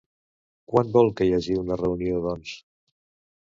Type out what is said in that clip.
Quan vol que hi hagi una reunió, doncs?